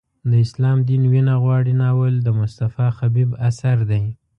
د اسلام دین وینه غواړي ناول د مصطفی خبیب اثر دی.